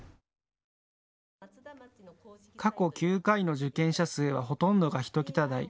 過去９回の受験者数はほとんどが１桁台。